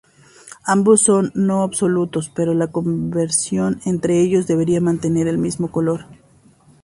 Ambos son no absolutos, pero la conversión entre ellos debería mantener el mismo color.